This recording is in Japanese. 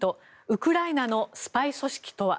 ウクライナのスパイ組織とは。